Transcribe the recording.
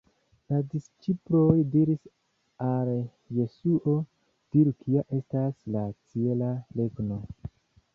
La disĉiploj diris al Jesuo: “Diru kia estas la ĉiela regno”.